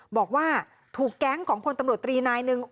บอกว่าถูกแก๊งของพลตำรวจตรีนายหนึ่ง